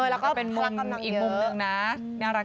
แล้วก็พลักกำลังเยอะเป็นมุมอีกมุมหนึ่งนะ